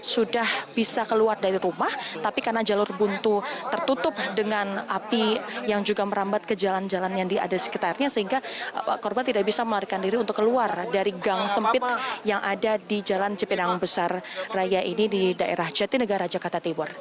sudah bisa keluar dari rumah tapi karena jalur buntu tertutup dengan api yang juga merambat ke jalan jalan yang ada di sekitarnya sehingga korban tidak bisa melarikan diri untuk keluar dari gang sempit yang ada di jalan cipinang besar raya ini di daerah jati negara jakarta timur